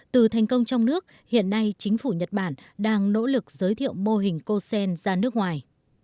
từ thành công trong nước hiện nay chính phủ nhật bản đang nỗ lực giới thiệu mô hình cosen ra nước ngoài